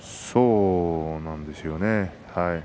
そうなんですよね。